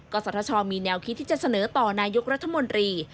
กษัตริย์ชอมีแนวคิดที่จะเสนอต่อนายุครัฐมนตรี